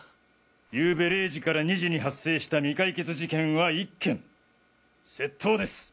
ゆうべ０時から２時に発生した未解決事件は１件窃盗です。